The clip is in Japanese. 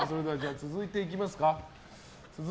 続いていきますか。